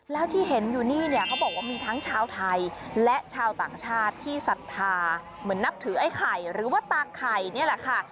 แล้วที่เห็นอยู่นี่เนี่ยเขาบอกว่ามีทั้งชาวไทยและชาวต่างชาติที่ศรัทธาเหมือนนับถือไอ้ไข่หรือว่าตาไข่นี่แหละค่ะ